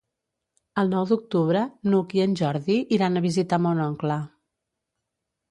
El nou d'octubre n'Hug i en Jordi iran a visitar mon oncle.